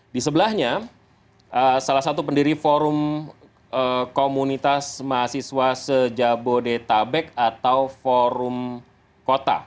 di sebelahnya salah satu pendiri forum komunitas mahasiswa sejabodetabek atau forum kota